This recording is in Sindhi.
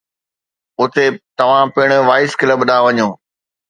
اتي توهان پڻ وائيس ڪلب ڏانهن وڃو.